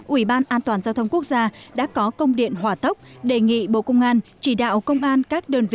ubndgq đã có công điện hỏa tốc đề nghị bộ công an chỉ đạo công an các đơn vị